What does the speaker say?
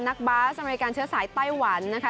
บาสอเมริกันเชื้อสายไต้หวันนะคะ